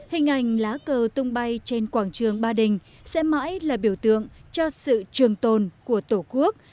hình ảnh lá cờ tung bay trên quảng trường ba đình sẽ mãi là biểu tượng cho sự trường tồn của tổ quốc